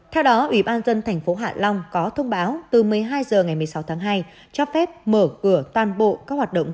theo đó ủy ban dân thành phố hạ long có thông báo từ một mươi hai h ngày một mươi sáu tháng hai cho phép mở cửa toàn bộ các hoạt động